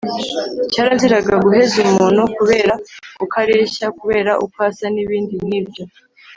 Cyaraziraga guheza umuntu kubera uko areshya, kubera uko asa n’ibindi nkibyo